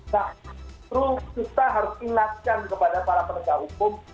nah kita harus inlaskan kepada para pendakwa hukum